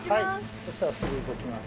そしたらすぐ動きます。